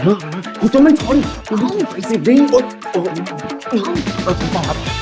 กูจะไม่ชนอ้าวไปสิดีโอ๊ยโอ๊ยเอ่อคุณต้องครับ